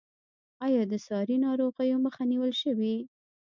آیا د ساري ناروغیو مخه نیول شوې؟